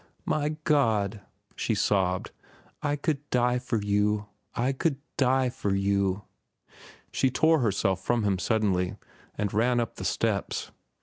"My God!" she sobbed. "I could die for you. I could die for you." She tore herself from him suddenly and ran up the steps.